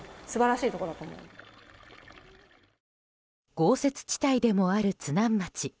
豪雪地帯でもある津南町。